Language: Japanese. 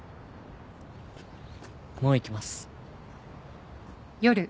もう行きます。